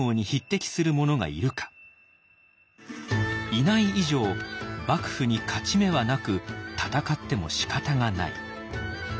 いない以上幕府に勝ち目はなく戦ってもしかたがない。